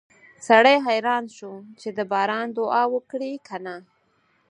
سړی حیران شو چې د باران دعا وکړي که نه